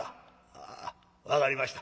ああ分かりました。